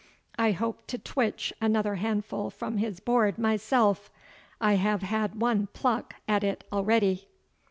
I hope to twitch another handful from his board myself I have had one pluck at it already."